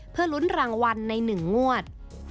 เพื่อลุ้นรางวัลใน๑งวด